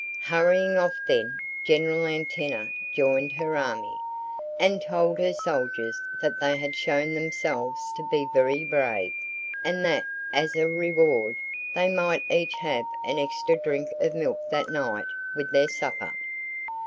Hurrying off then, General Antenna joined her army, and told her soldiers that they had shown themselves to be very brave, and that as a reward they might each have an extra drink of milk that night with their supper.